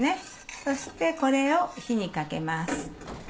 そしてこれを火にかけます。